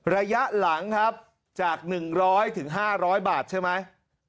ระยะหลังครับจาก๑๐๐๕๐๐บาทใช่ไหม